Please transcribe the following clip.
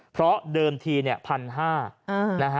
เพราะเดิมที๑๕๐๐บาท